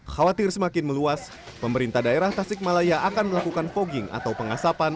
khawatir semakin meluas pemerintah daerah tasik malaya akan melakukan fogging atau pengasapan